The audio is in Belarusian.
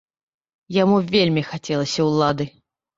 Яму вельмі хацелася ўлады.